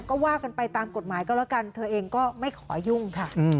ก็ว่ากันไปตามกฎหมายก็แล้วกันเธอเองก็ไม่ขอยุ่งค่ะ